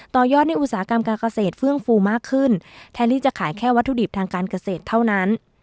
ต่อยอดในอุตสาหกรรมการเกษตรเฟื่องฟูมากขึ้นแทนที่จะขายแค่วัตถุดิบทางการเกษตรเท่านั้น